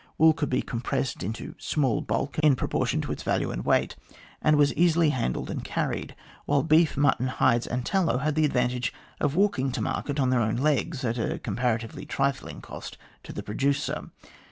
Wool could be compressed into small bulk in proportion to its value and 202 THE GLADSTONE COLONY weight, and was easily handled and carried ; while beef, mutton, hides, and tallow had the advantage of walking to market on their own legs at a comparatively trifling cost to the producer.